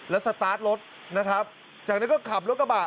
แล้วสตาร์ทรถนะครับจากนั้นก็ขับรถกระบะ